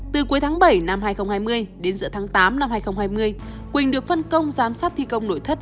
từ cuối tháng bảy năm hai nghìn hai mươi đến giữa tháng tám năm hai nghìn hai mươi quỳnh được phân công giám sát thi công nội thất